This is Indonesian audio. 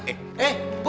eh eh bu